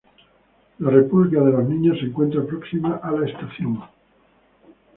La República de los Niños se encuentra próxima a la estación.